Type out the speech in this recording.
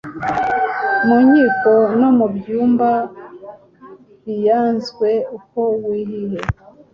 Mu Nkiko no mu Byumba Bianzwe uko wihihe,